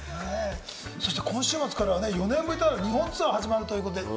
今週末からは４年ぶりとなる日本ツアーが始まるんですね。